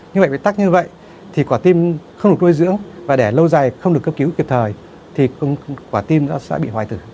như vậy bị tắc như vậy thì quả tim không được nuôi dưỡng và để lâu dài không được cấp cứu kịp thời thì quả tim nó sẽ bị hoại tử